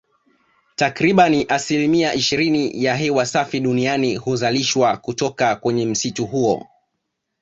Takribani asilimia ishirini ya hewa safi duniani huzalishwa kutoka kwenye msitu huo